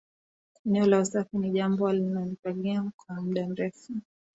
Eneo la usafi ni jambo alililopigania kwa muda mrefu